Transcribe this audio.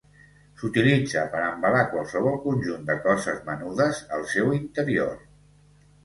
S'utilitza per a embalar qualsevol conjunt de coses menudes al seu interior.